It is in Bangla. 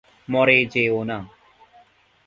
মরে যেয়ো না!